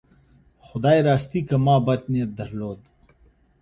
خدای راستي که ما بد نیت درلود.